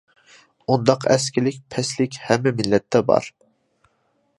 ئۇنداق ئەسكىلىك، پەسلىك ھەممە مىللەتتە بار.